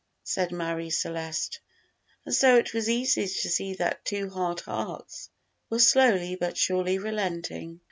said Marie Celeste; and so it was easy to see that two hard hearts were slowly but surely relenting.